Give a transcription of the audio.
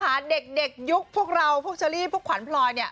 เด็กยุคพวกเราพวกเชอรี่พวกขวัญพลอยเนี่ย